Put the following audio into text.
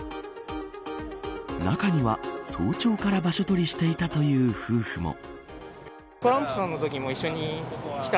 中には、早朝から場所取りしていたという夫婦も。